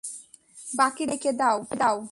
বাকিদেরকেও ডেকে দাও।